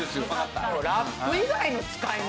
ラップ以外の使い道！？